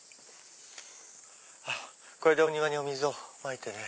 これでお庭にお水をまいてね。